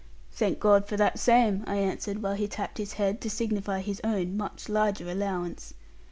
'Thank God for that same,' I answered, while he tapped his head, to signify his own much larger allowance.